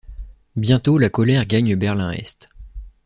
Bientôt la colère gagne Berlin-Est.